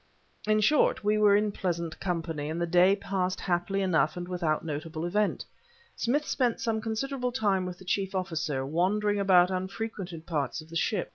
In short, we were in pleasant company, and the day passed happily enough and without notable event. Smith spent some considerable time with the chief officer, wandering about unfrequented parts of the ship.